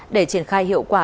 để triển khai hiệu quả